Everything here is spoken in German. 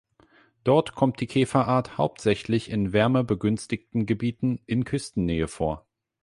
Dort kommt die Käferart hauptsächlich in wärmebegünstigten Gebieten in Küstennähe vor.